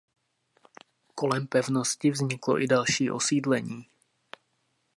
Kolem pevnosti vzniklo i další osídlení.